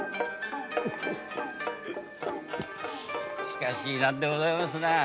しかし何でございますな。